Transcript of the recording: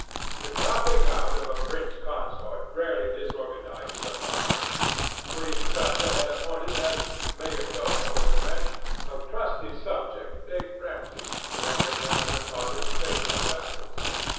The dropping out of a prince consort rarely disorganises a monarchy. Queen Santa had appointed as mayordomo of the ranch a trusty subject, named Ramsay, who had been one of her father's faithful vassals.